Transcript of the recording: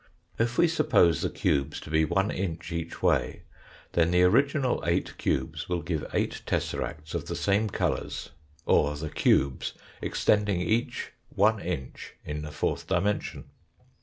If we suppose the cubes to be one inch each way, then the original eight cubes will give eight tesseracts of the same colours, or the cubes, extending each one inch in the fourth dimension.